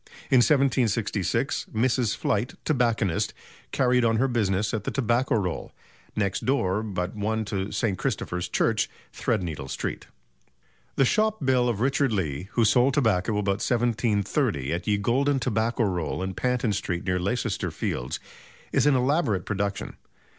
In 1766, Mrs. Flight, tobacconist, carried on her business at the "Tobacco Roll. Next door but one to St. Christopher's Church, Threadneedle Street." The shop bill of Richard Lee, who sold tobacco about 1730 "at Ye Golden Tobacco Roll in Panton Street near Leicester Fields," is an elaborate production.